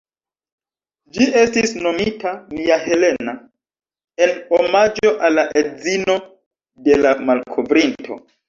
Ĝi estis nomita ""Mia Helena"" en omaĝo al la edzino de la malkovrinto.